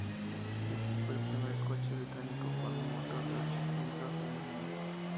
Fue el primer coche británico con un motor de ocho cilindros en línea.